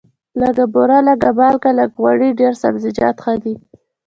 لږه بوره، لږه مالګه، لږ غوړي، ډېر سبزیجات ښه دي.